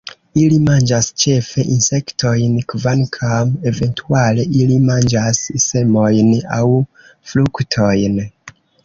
Ili manĝas ĉefe insektojn, kvankam eventuale ili manĝas semojn aŭ fruktojn.